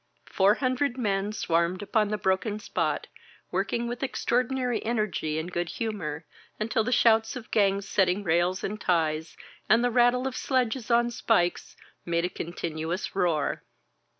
Four hundred men swarmed upon the broken spot, working with extraordinary energy and good hu mor, until the shouts of gangs setting rails and ties, and the rattle of sledges on spikes, made a continuous roar.